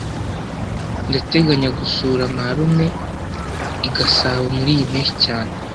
Ndateganya gusura marume i Gasabo muriyi mpeshyi cyane